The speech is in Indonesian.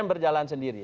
sdm berjalan sendiri